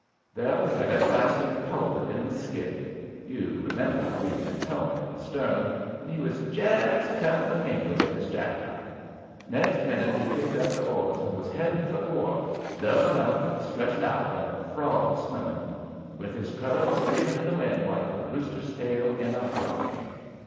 There was that everlasting poet in the skiff you remember we'd been towing it astern and he was jest cutting the painter with his jackknife. Next minute he'd picked up the oars and was heading for the wharf, doubling up and stretching out like a frog swimming, and with his curls streaming in the wind like a rooster's tail in a hurricane.